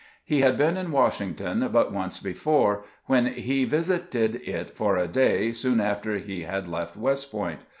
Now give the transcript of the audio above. He had been in Washington but once before, when he visited it for a day soon after he had left West Point.